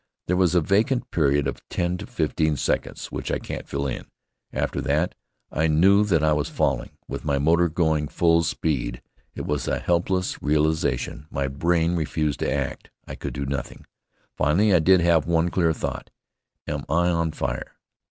There was a vacant period of ten or fifteen seconds which I can't fill in. After that I knew that I was falling, with my motor going full speed. It was a helpless realization. My brain refused to act. I could do nothing. Finally, I did have one clear thought, "Am I on fire?"